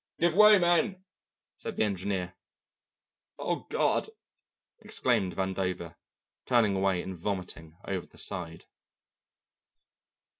"Give way, men!" said the engineer. "Oh, God!" exclaimed Vandover, turning away and vomiting over the side.